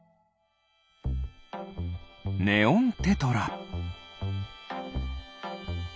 ネオンテトラ。